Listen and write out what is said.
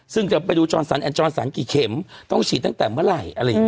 ซึ่งจะไปดูจรสันแอนจรสันกี่เข็มต้องฉีดตั้งแต่เมื่อไหร่อะไรอย่างนี้